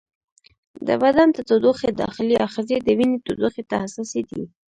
د بدن د تودوخې داخلي آخذې د وینې تودوخې ته حساسې دي.